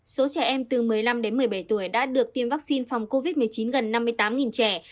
số trẻ em từ một mươi năm đến một mươi bảy tuổi đã được tiêm vaccine phòng covid một mươi chín gần năm mươi tám trẻ